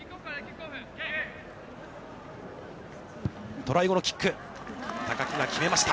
トライ後のキック、高木が決めました。